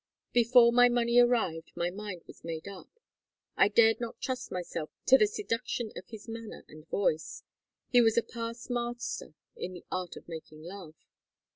Before my money arrived my mind was made up. I dared not trust myself to the seduction of his manner and voice he was a past master in the art of making love.